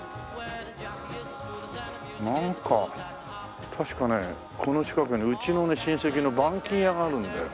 なんか確かねこの近くにうちの親戚の板金屋があるんだよ。